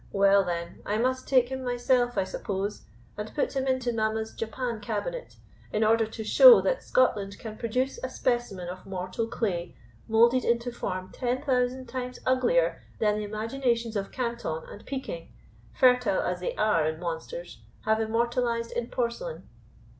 Well, then, I must take him myself, I suppose, and put him into mamma's Japan cabinet, in order to show that Scotland can produce a specimen of mortal clay moulded into a form ten thousand times uglier than the imaginations of Canton and Pekin, fertile as they are in monsters, have immortalized in porcelain."